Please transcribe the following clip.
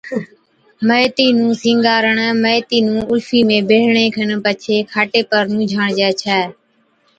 ميٿِي نُون سِينگارڻ، ميٿِي نُون الفِي ۾ بيڙڻي کن پڇي کاٽي پر نُونجھاڻجَي ڇَي